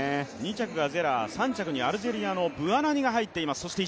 ２着がゼラー、３着にアルジェリアのブアナニが入っています。